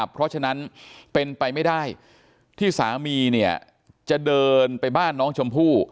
เพราะฉะนั้นเป็นไปไม่ได้ที่สามีเนี่ยจะเดินไปบ้านน้องชมพู่